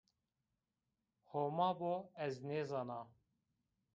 Homa bo, ez nêzana